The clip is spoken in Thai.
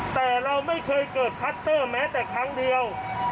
แต่เราไม่เคยเกิดคัตเตอร์แม้แต่ครั้งเดียว